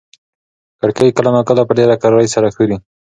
کړکۍ کله ناکله په ډېرې کرارۍ سره ښوري.